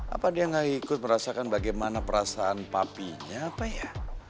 apa dia nggak ikut merasakan bagaimana perasaan papinya apa ya